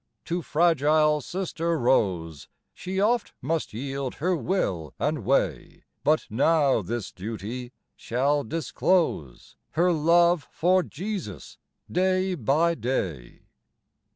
To fragile sister Rose She oft must yield her will and way; But now this duty shall disclose Her love for Jesus, day by day.